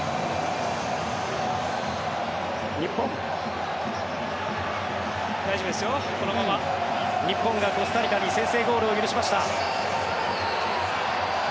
日本がコスタリカに先制ゴールを許しました。